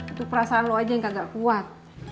itu perasa lo aja yang kagak kuat